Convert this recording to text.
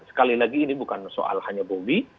sekali lagi ini bukan soal hanya bobi